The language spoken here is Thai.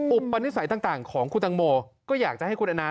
อุปนิสัยต่างของคุณตังโมก็อยากจะให้คุณแอนนา